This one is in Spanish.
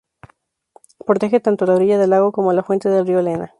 Protege tanto la orilla del lago como la fuente del río Lena.